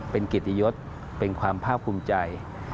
เป็นกิตยศเป็นความภาพภูมิใจ